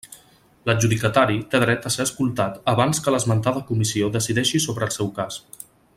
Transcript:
L'adjudicatari té dret a ser escoltat abans que l'esmentada Comissió decideixi sobre el seu cas.